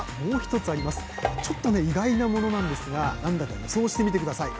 ちょっとね意外なものなんですが何だか予想してみて下さい！